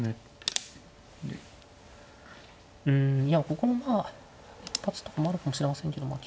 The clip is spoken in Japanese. いやここもまあかもしれませんけど。